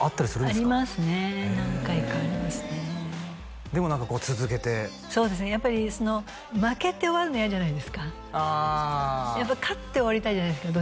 ありますね何回かありますねでも何か続けてそうですねやっぱり負けて終わるの嫌じゃないですか勝って終わりたいじゃないですか